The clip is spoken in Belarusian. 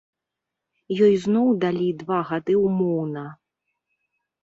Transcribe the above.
Ёй зноў далі два гады ўмоўна.